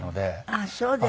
あっそうですか。